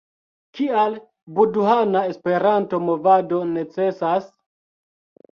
Kial budhana Esperanto-movado necesas?